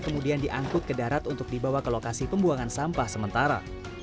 kemudian diangkut ke darat untuk dibawa ke lokasi pembuangan sampah sementara